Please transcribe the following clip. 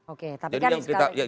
oke tapi kan